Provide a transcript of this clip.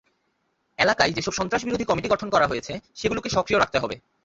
এলাকায় যেসব সন্ত্রাসবিরোধী কমিটি গঠন করা হয়েছে, সেগুলোকে সক্রিয় রাখতে হবে।